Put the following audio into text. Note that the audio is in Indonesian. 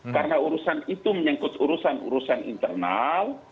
karena urusan itu menyangkut urusan urusan internal